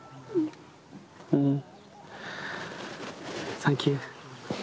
サンキュー。